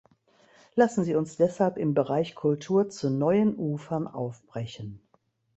Lassen Sie uns deshalb im Bereich Kultur zu neuen Ufern aufbrechen.